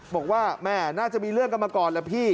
บอกว่าแม่น่าจะมีเรื่องกันมาก่อนแหละพี่